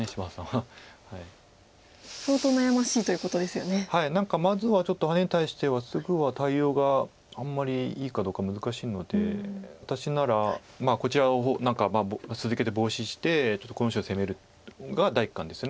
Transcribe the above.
はい何かまずはちょっとハネに対してはすぐは対応があんまりいいかどうか難しいので私ならこちらを何か続けてボウシしてちょっとこの石を攻めるのが第一感です。